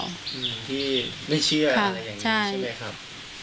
อืมที่ไม่เชื่ออะไรอย่างนี้ใช่ไหมครับ